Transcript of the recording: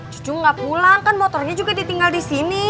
cucu ga pulang kan motornya juga ditinggal disini